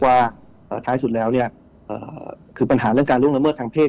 ว่าท้ายสุดแล้วเนี่ยคือปัญหาเรื่องการล่วงละเมิดทางเพศ